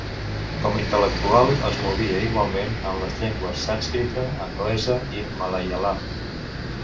Com a intel·lectual, es movia igualment en les llengües sànscrita, anglesa i malaiàlam.